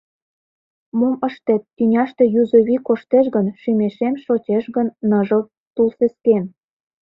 Мом ыштет, тӱняште юзо вий коштеш гын, Шӱмешем шочеш гын ныжыл тулсескем?